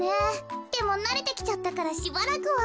でもなれてきちゃったからしばらくは。